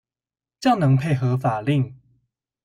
較能配合法令